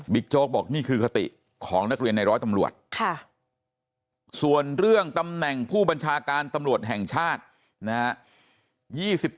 โจ๊กบอกนี่คือคติของนักเรียนในร้อยตำรวจส่วนเรื่องตำแหน่งผู้บัญชาการตำรวจแห่งชาตินะฮะ